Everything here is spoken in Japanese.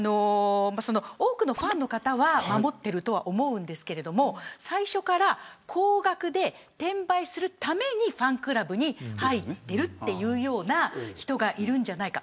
多くのファンの方は守っているとは思いますが最初から高額で転売するためにファンクラブに入っているという人がいるんじゃないか。